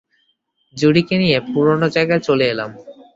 জুডিকে নিয়ে পুরনো জায়গায় চলে এলাম।